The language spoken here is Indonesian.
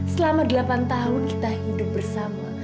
selama delapan tahun kita hidup bersama